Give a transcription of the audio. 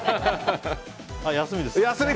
休みです。